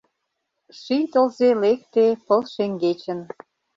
Ший тылзе лекте пыл шеҥгечын.